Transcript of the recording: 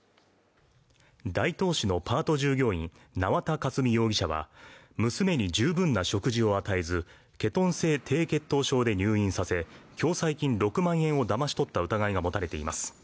大東市のパート従業員縄田佳純容疑者は娘に十分な食事を与えずケトン性低血糖症で入院させ、共済金６万円をだまし取った疑いが持たれています。